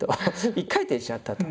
１回転しちゃったと。